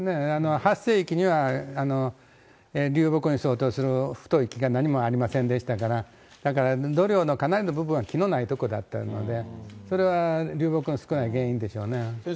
発生地には流木に相当する太い木が何もありませんでしたから、だから度量のかなりの部分は木のない所だったので、それは、流木の少ない原因でしょうね。